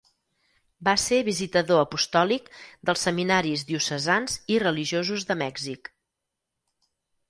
Va ser visitador apostòlic dels seminaris diocesans i religiosos de Mèxic.